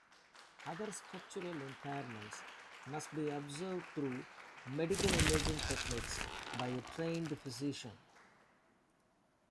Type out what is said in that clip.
Other structural impairments must be observed through medical imaging techniques by a trained physician.